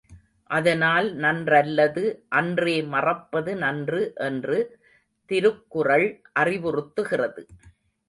அதனால் நன்றல்லது அன்றே மறப்பது நன்று என்று திருக்குறள் அறிவுறுத்துகிறது.